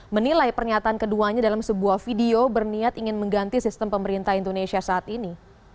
menilai pernyataan keduanya dalam sebuah video berniat ingin mengganti sistem pemerintah indonesia saat ini